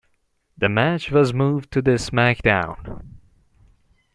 The match was moved to the SmackDown!